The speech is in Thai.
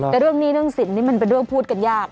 แต่เรื่องหนี้เรื่องสินนี่มันเป็นเรื่องพูดกันยาก